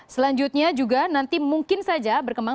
selanjutnya juga nanti mungkin saja berkembang